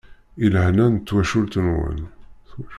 I lehna n twacult-nwen.